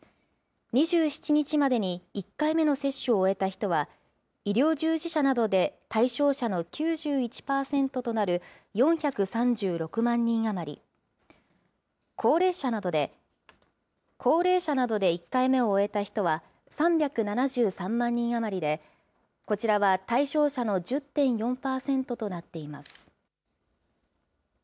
２７日までに１回目の接種を終えた人は、医療従事者などで対象者の９１％となる４３６万人余り、高齢者などで１回目を終えた人は３７３万人余りで、こちらは対象者の１０．４％となっています。